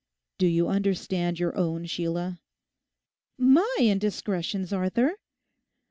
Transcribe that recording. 'Do you understand your own, Sheila?' 'My indiscretions, Arthur?